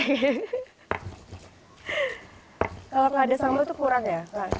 kalau gak ada sambel tuh kurang ya